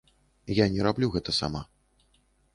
Я не раблю гэта сама.